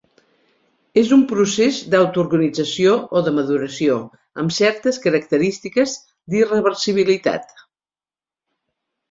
És un procés d'autoorganització o de maduració, amb certes característiques d'irreversibilitat.